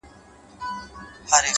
• که په سېلونو توتکۍ وتلي,